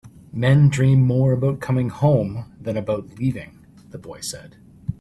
"Men dream more about coming home than about leaving," the boy said.